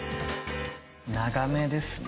長めですね。